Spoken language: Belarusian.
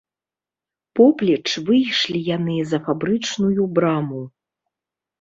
Поплеч выйшлі яны за фабрычную браму.